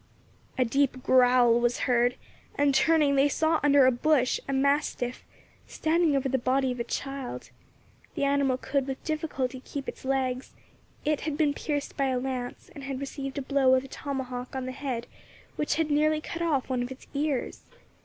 A deep growl was heard, and turning they saw under a bush a mastiff, standing over the body of a child. The animal could with difficulty keep its legs; it had been pierced by a lance, and had received a blow with a tomahawk on the head which had nearly cut off one of its ears.